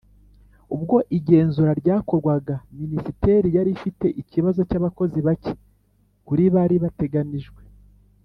Ubwo igenzura ryakorwaga Minisiteri yari ifite ikibazo cy abakozi bake kuri bari bateganijwe